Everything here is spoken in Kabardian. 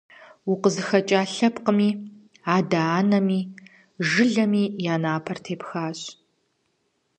УкъызыхэкӀа лъэпкъыми, адэ анэми, жылэми я напэр тепхащ.